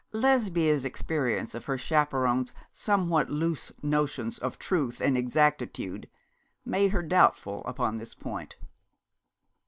Lesbia's experience of her chaperon's somewhat loose notions of truth and exactitude made her doubtful upon this point.